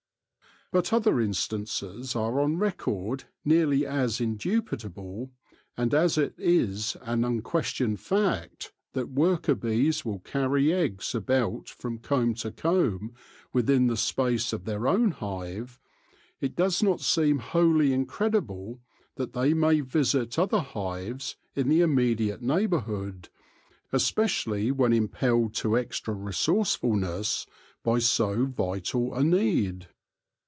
But other instances are on record nearly as indubitable, and as it is an unquestioned fact that worker bees will carry eggs about from comb to comb within the space of their own hive, it does not seem wholly incredible that they may visit other hives in the immediate neighbourhood, especially when impelled to extra resourcefulness by so vital a need.